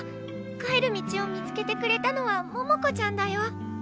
帰る道を見つけてくれたのは桃子ちゃんだよ。